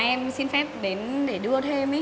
em xin phép đến để đùa thêm ý